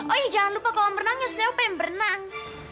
oh iya jangan lupa kalau berenangnya sneu pengen berenang